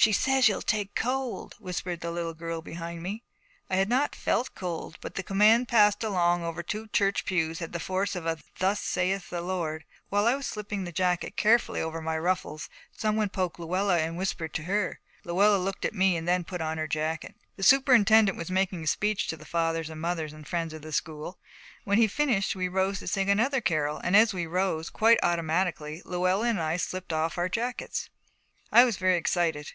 She says you'll take cold,' whispered the little girl behind me. I had not felt cold, but the command passed along over two church pews had the force of a Thus saith the Lord. While I was slipping the jacket carefully over my ruffles, some one poked Luella and whispered to her. Luella looked at me, then put on her jacket. The superintendent was making a speech to the Fathers and Mothers and Friends of the School. When he finished, we rose to sing another carol, and as we rose, quite automatically Luella and I slipped off our jackets. I was very excited.